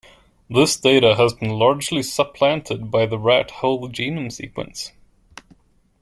This data has been largely supplanted by the rat whole genome sequence.